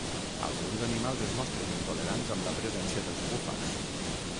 Alguns animals es mostren intolerants amb la presència dels búfags.